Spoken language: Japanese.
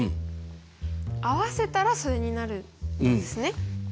合わせたらそれになるんですね。